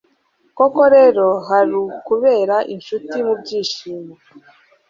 koko rero, hari ukubera incuti mu byishimo